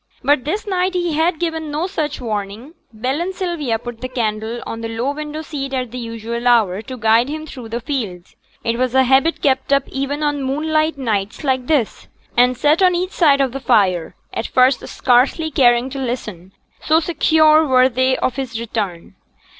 But this night he had given no such warning. Bell and Sylvia put the candle on the low window seat at the usual hour to guide him through the fields it was a habit kept up even on moonlight nights like this and sate on each side of the fire, at first scarcely caring to listen, so secure were they of his return.